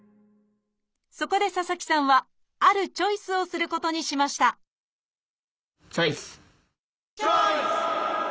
そこで佐々木さんはあるチョイスをすることにしましたチョイス！